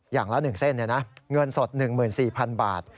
อย่างละ๑เส้นเนี่ยนะเงินสด๑๔๐๐๐บาท